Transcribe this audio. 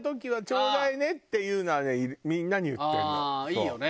いいよね。